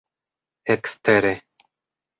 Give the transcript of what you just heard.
ekstere